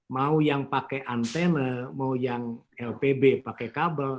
mau yang pakai antena mau yang lpb pakai kabel